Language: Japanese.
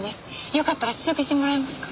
よかったら試食してもらえますか？